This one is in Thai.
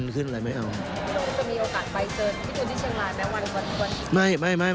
พี่ตุ๋นจะมีโอกาสไปเจอพี่ตุ๋นที่เชียงราชนะวันก่อน